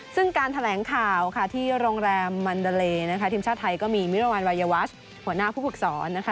ซึ่งการแถลงข่าวค่ะที่โรงแรมมันดาเลนะคะทีมชาติไทยก็มีมิรวรรณวัยวัชหัวหน้าผู้ฝึกสอนนะคะ